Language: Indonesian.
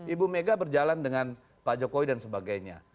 ibu mega berjalan dengan pak jokowi dan sebagainya